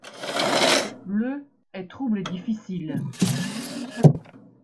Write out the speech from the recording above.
Le est trouble et difficile.